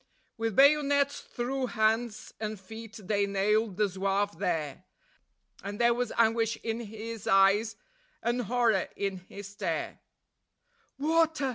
With bayonets through hands and feet they nailed the Zouave there, And there was anguish in his eyes, and horror in his stare; "Water!